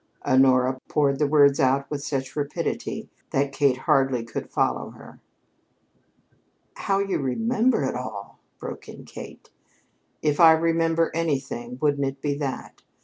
Honora poured the words out with such rapidity that Kate hardly could follow her. "How you remember it all!" broke in Kate. "If I remember anything, wouldn't it be that?